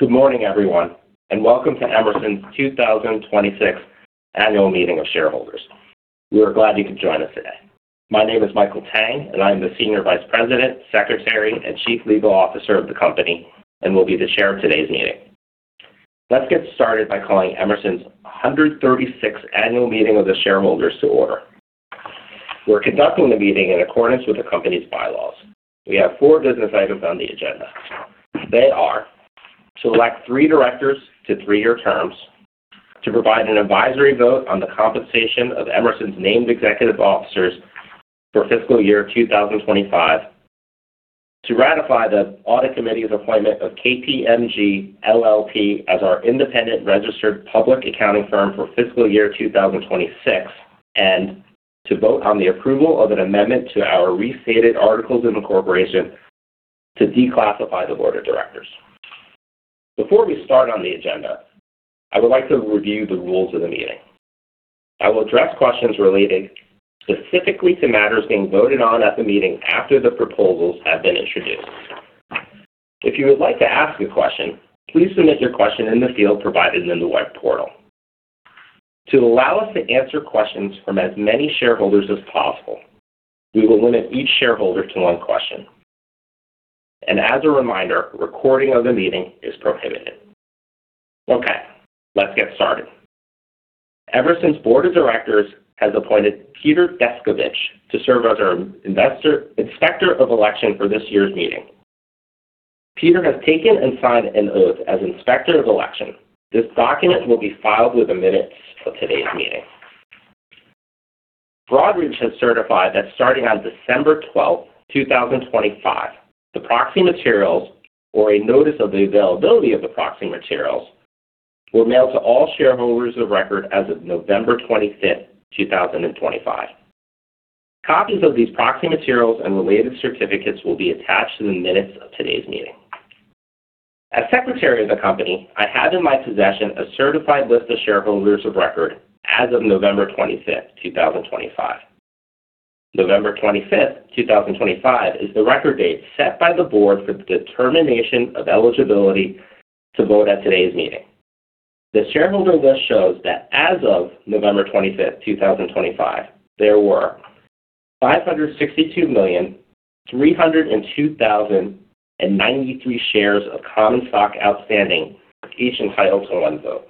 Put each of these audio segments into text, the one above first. Good morning, everyone, and welcome to Emerson's 2026 Annual Meeting of Shareholders. We are glad you could join us today. My name is Michael Tang, and I'm the Senior Vice President, Secretary, and Chief Legal Officer of the company, and will be the chair of today's meeting. Let's get started by calling Emerson's 136th Annual Meeting of the Shareholders to order. We're conducting the meeting in accordance with the company's bylaws. We have four business items on the agenda. They are: to elect three directors to three-year terms, to provide an advisory vote on the compensation of Emerson's named executive officers for fiscal year 2025, to ratify the Audit Committee's appointment of KPMG LLP as our independent registered public accounting firm for fiscal year 2026, and to vote on the approval of an amendment to our restated articles of incorporation to declassify the board of directors. Before we start on the agenda, I would like to review the rules of the meeting. I will address questions relating specifically to matters being voted on at the meeting after the proposals have been introduced. If you would like to ask a question, please submit your question in the field provided in the web portal. To allow us to answer questions from as many shareholders as possible, we will limit each shareholder to one question. As a reminder, recording of the meeting is prohibited. Okay, let's get started. Emerson's board of directors has appointed Peter Deskovich to serve as our inspector of election for this year's meeting. Peter has taken and signed an oath as Inspector of Election. This document will be filed with the minutes of today's meeting. Broadridge has certified that starting on December 12th, 2025, the proxy materials or a notice of the availability of the proxy materials were mailed to all shareholders of record as of November 25th, 2025. Copies of these proxy materials and related certificates will be attached to the minutes of today's meeting. As Secretary of the company, I have in my possession a certified list of shareholders of record as of November 25th, 2025. November 25th, 2025, is the record date set by the board for the determination of eligibility to vote at today's meeting. The shareholder list shows that as of November 25th, 2025, there were 562,302,093 shares of common stock outstanding, each entitled to one vote.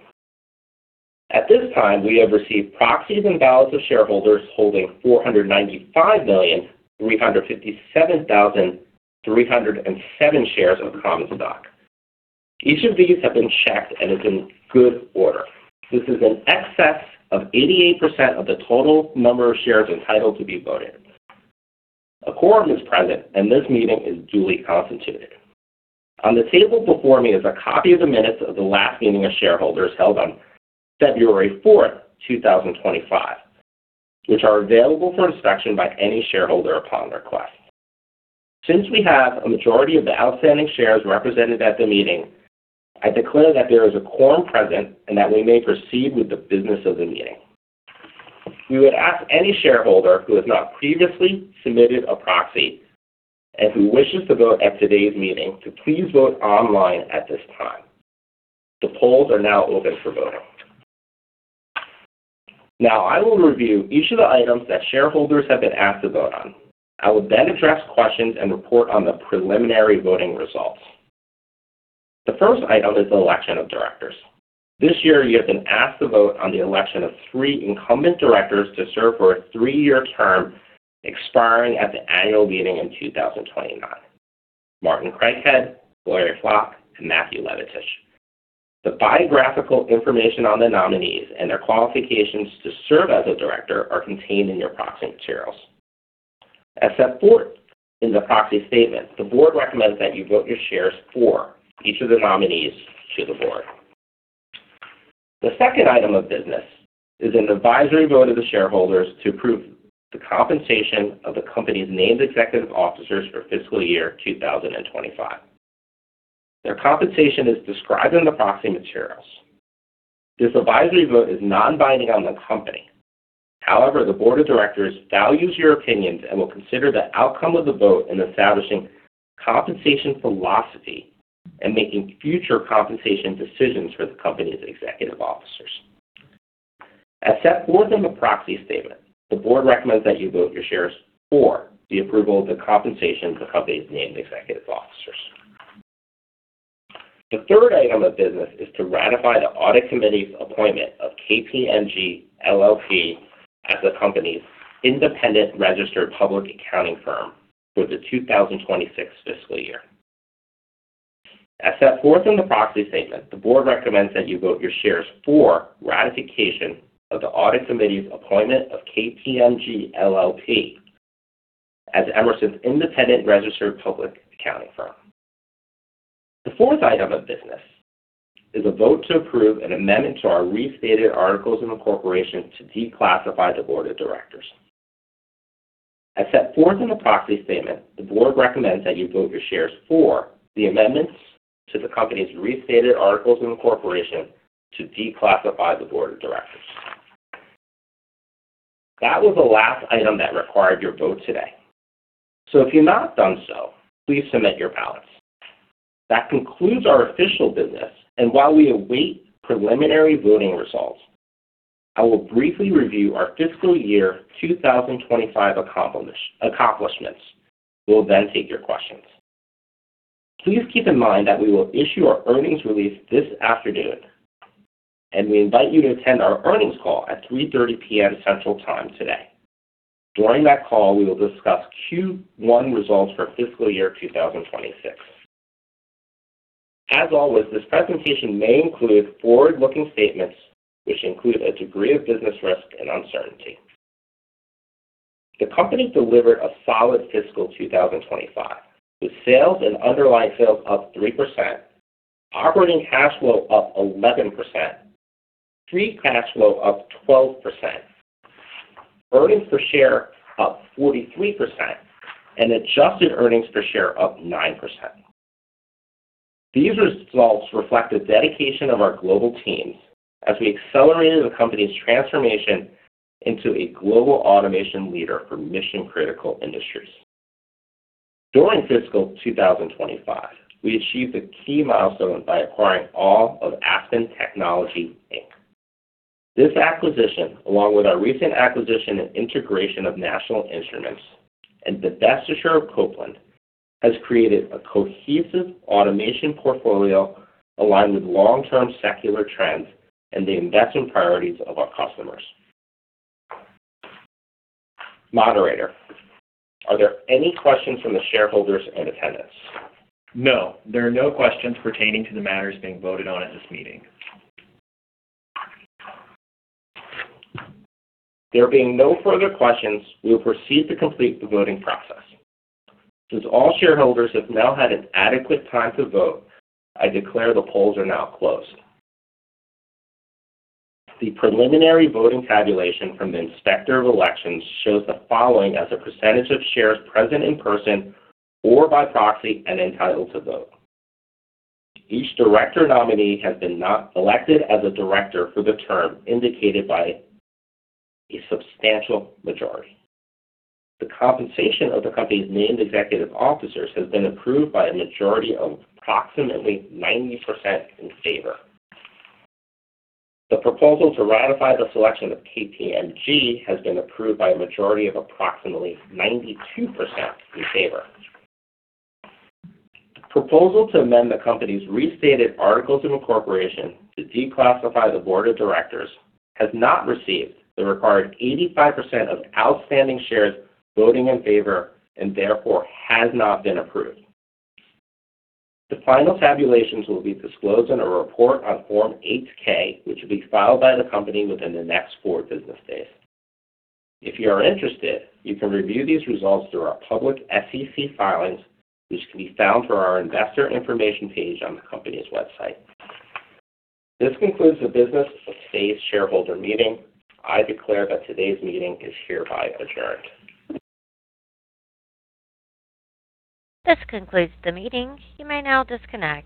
At this time, we have received proxies and ballots of shareholders holding 495,357,307 shares of common stock. Each of these have been checked and is in good order. This is an excess of 88% of the total number of shares entitled to be voted. A quorum is present, and this meeting is duly constituted. On the table before me is a copy of the minutes of the last meeting of shareholders held on February 4th, 2025, which are available for inspection by any shareholder upon request. Since we have a majority of the outstanding shares represented at the meeting, I declare that there is a quorum present and that we may proceed with the business of the meeting. We would ask any shareholder who has not previously submitted a proxy and who wishes to vote at today's meeting, to please vote online at this time. The polls are now open for voting. Now, I will review each of the items that shareholders have been asked to vote on. I will then address questions and report on the preliminary voting results. The first item is the election of directors. This year, you have been asked to vote on the election of three incumbent directors to serve for a three-year term, expiring at the annual meeting in 2029: Martin Craighead, Gloria Flach, and Matthew Levatich. The biographical information on the nominees and their qualifications to serve as a director are contained in your proxy materials. As set forth in the proxy statement, the board recommends that you vote your shares for each of the nominees to the board. The second item of business is an advisory vote of the shareholders to approve the compensation of the company's named executive officers for fiscal year 2025. Their compensation is described in the proxy materials. This advisory vote is non-binding on the company. However, the board of directors values your opinions and will consider the outcome of the vote in establishing compensation philosophy and making future compensation decisions for the company's executive officers. As set forth in the proxy statement, the board recommends that you vote your shares for the approval of the compensation of the company's named executive officers. The third item of business is to ratify the Audit Committee's appointment of KPMG LLP as the company's independent registered public accounting firm for the 2026 fiscal year. As set forth in the proxy statement, the board recommends that you vote your shares for ratification of the Audit Committee's appointment of KPMG LLP as Emerson's independent registered public accounting firm. The fourth item of business is a vote to approve an amendment to our Restated Articles of Incorporation to declassify the board of directors. As set forth in the proxy statement, the board recommends that you vote your shares for the amendments to the company's Restated Articles of Incorporation to declassify the board of directors. That was the last item that required your vote today. So if you've not done so, please submit your ballots. That concludes our official business, and while we await preliminary voting results, I will briefly review our fiscal year 2025 accomplishments. We'll then take your questions. Please keep in mind that we will issue our earnings release this afternoon, and we invite you to attend our earnings call at 3:30P.M. Central Time today. During that call, we will discuss Q1 results for fiscal year 2026. As always, this presentation may include forward-looking statements, which include a degree of business risk and uncertainty. The company delivered a solid fiscal 2025, with sales and underlying sales up 3%, operating cash flow up 11%, free cash flow up 12%, earnings per share up 43%, and adjusted earnings per share up 9%. These results reflect the dedication of our global teams as we accelerated the company's transformation into a global automation leader for mission-critical industries. During fiscal 2025, we achieved a key milestone by acquiring all of Aspen Technology, Inc. This acquisition, along with our recent acquisition and integration of National Instruments and the divestiture of Copeland, has created a cohesive automation portfolio aligned with long-term secular trends and the investing priorities of our customers. Moderator, are there any questions from the shareholders in attendance? No, there are no questions pertaining to the matters being voted on at this meeting. There being no further questions, we will proceed to complete the voting process. Since all shareholders have now had an adequate time to vote, I declare the polls are now closed. The preliminary voting tabulation from the Inspector of Elections shows the following as a percentage of shares present in person or by proxy and entitled to vote. Each director nominee has been elected as a director for the term indicated by a substantial majority. The compensation of the company's named executive officers has been approved by a majority of approximately 90% in favor. The proposal to ratify the selection of KPMG has been approved by a majority of approximately 92% in favor. Proposal to amend the company's Restated Articles of Incorporation to declassify the board of directors has not received the required 85% of outstanding shares voting in favor and therefore has not been approved. The final tabulations will be disclosed in a report on Form 8-K, which will be filed by the company within the next four business days. If you are interested, you can review these results through our public SEC filings, which can be found through our Investor Information page on the company's website. This concludes the business of today's shareholder meeting. I declare that today's meeting is hereby adjourned. This concludes the meeting. You may now disconnect.